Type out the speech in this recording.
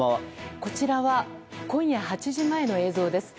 こちらは今夜８時前の映像です。